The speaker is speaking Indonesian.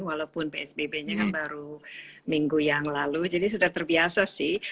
walaupun psbb nya kan baru minggu yang lalu jadi sudah terbiasa sih